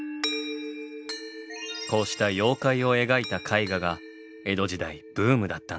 こうした妖怪を描いた絵画が江戸時代ブームだったんです。